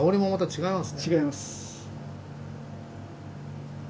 違います。